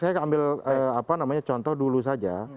saya ambil apa namanya contoh dulu saja